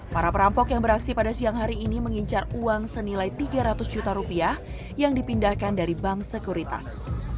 para perampok yang beraksi pada siang hari ini mengincar uang senilai tiga ratus juta rupiah yang dipindahkan dari bank sekuritas